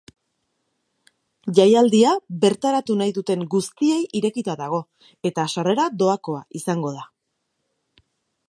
Jaialdia bertaratu nahi duten guztiei irekita dago eta sarrera doakoa izango da.